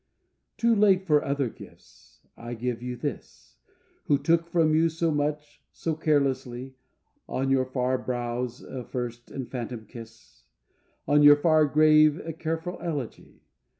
Too late for other gifts, I give you this, Who took from you so much, so carelessly, On your far brows a first and phantom kiss, On your far grave a careful elegy.